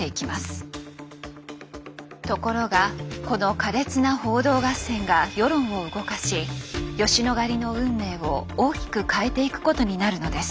ところがこの苛烈な報道合戦が世論を動かし吉野ヶ里の運命を大きく変えていくことになるのです。